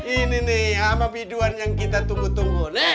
ini nih ama biduan yang kita tunggu tunggu